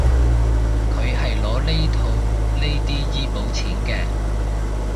佢係攞嚟套呢啲醫保錢嘅